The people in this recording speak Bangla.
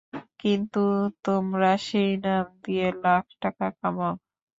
কিন্তু তোমরা সেই নাম দিয়ে লাখ টাকা কামাও।